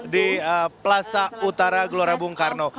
di plaza utara gelora bung karno